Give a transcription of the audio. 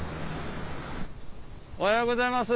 おはようございます。